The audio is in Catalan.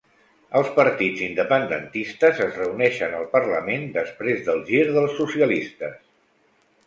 Els partits independentistes es reuneixen al Parlament després del gir dels socialistes